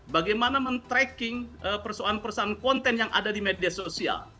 bagaimana men tracking persoalan persoalan konten yang ada di media sosial